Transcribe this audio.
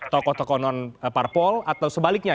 toko toko non parpol atau sebaliknya